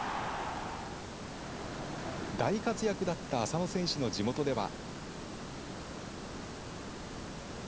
大活躍だった浅野選手の地元では。